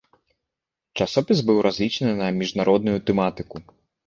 Часопіс быў разлічаны на міжнародную тэматыку.